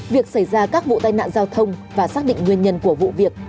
việc xảy ra các vụ tai nạn giao thông và xác định nguyên nhân của vụ việc